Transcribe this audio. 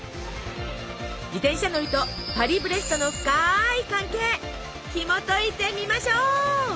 自転車乗りとパリブレストの深い関係ひもといてみましょう。